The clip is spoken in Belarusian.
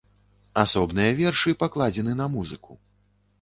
Асобныя вершы пакладзены на музыку.